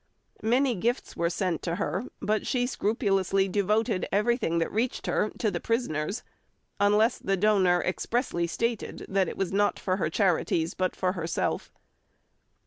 Many gifts were sent to her, but she scrupulously devoted everything that reached her to the prisoners, unless the donor expressly stated that it was not for her charities but for herself.